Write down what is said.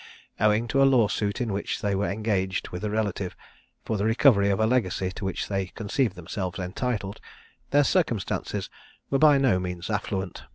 Owing to a law suit in which they were engaged with a relative, for the recovery of a legacy to which they conceived themselves entitled, their circumstances were by no means affluent.